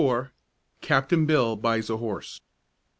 CAPTAIN BILL BUYS A HORSE.